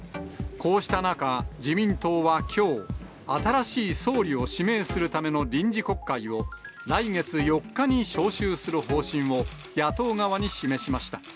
こうした中、自民党はきょう、新しい総理を指名するための臨時国会を、来月４日に召集する方針を、野党側に示しました。